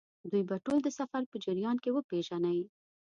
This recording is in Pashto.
دوی به ټول د سفر په جریان کې وپېژنئ.